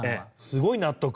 すごい納得。